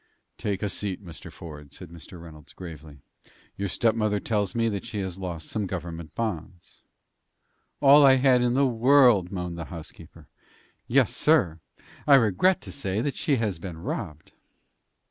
"Take a seat, Mr. Ford," said Mr. Reynolds, gravely. "Your stepmother tells me that she has lost some government bonds?" "All I had in the world," moaned the housekeeper. "Yes, sir; I regret to say that she has been robbed."